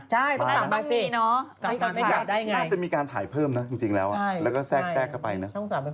ใช่ต้องทำมาสิกลับมาทำไมไงน่าจะมีการถ่ายเพิ่มนะจริงแล้วแล้วก็แซ่กกลับไปนะ